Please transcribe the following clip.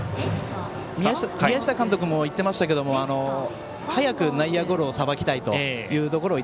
宮下監督も言っていましたが早く内野ゴロをさばきたいと。